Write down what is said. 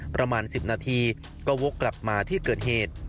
ประมาณ๑๐นาทีก็วกกลับมาที่เกิดเหตุ